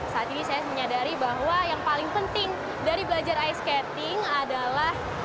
saat ini saya menyadari bahwa yang paling penting dari belajar ice skating adalah